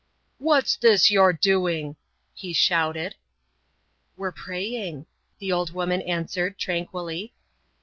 "What's this you're doing?" he shouted. "We're praying," the old woman answered tranquilly.